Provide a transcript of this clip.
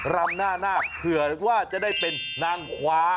รำหน้านาคเผื่อว่าจะได้เป็นนางคว้า